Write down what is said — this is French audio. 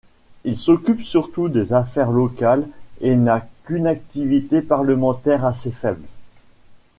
Il s'occupe surtout des affaires locales et n'a qu'une activité parlementaire assez faible.